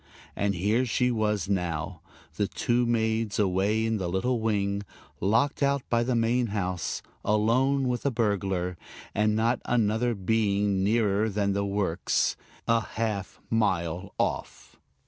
And here she was now, the two maids away in the little wing, locked out by the main house, alone with a burglar, and not another being nearer than the works, a half mile off.